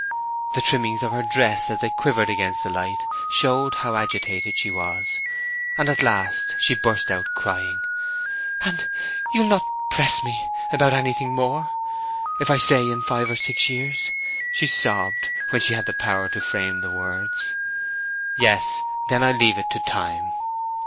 The trimmings of her dress, as they quivered against the light, showed how agitated she was, and at last she burst out crying. "And you'll not—press me—about anything more—if I say in five or six years?" she sobbed, when she had power to frame the words. "Yes, then I'll leave it to time."